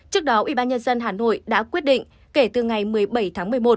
trước đó ubnd hà nội đã quyết định kể từ ngày một mươi bảy tháng một mươi một